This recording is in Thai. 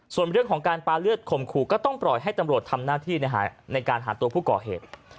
ส่วนเรื่องของการปาเลือดข่มขู่ก็ต้องปล่อยให้ตำรวจทำหน้าที่ในการหาตัวผู้ก่อเหตุ